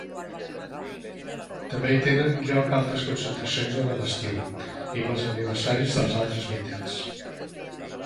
També hi tenen lloc altres concentracions durant l'estiu i pels aniversaris dels altres Beatles.